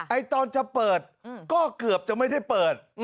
ตอนจะเปิดก็เกือบจะไม่ได้เปิด